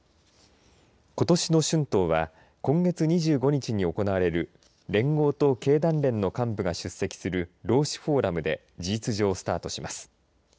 ことしの春闘は今月２５日に行われる連合と経団連の幹部が出席する労使フォーラムで事実上スタートします。